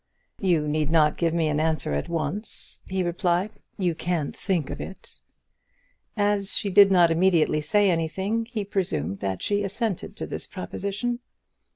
"You need not give me an answer at once," he replied; "you can think of it." As she did not immediately say anything, he presumed that she assented to this proposition.